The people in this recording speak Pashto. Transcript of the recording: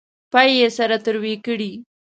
پۍ یې سره تروې کړې.